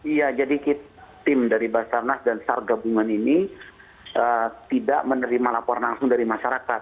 iya jadi tim dari basarnas dan sar gabungan ini tidak menerima laporan langsung dari masyarakat